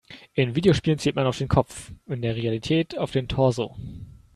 In Videospielen zielt man auf den Kopf, in der Realität auf den Torso.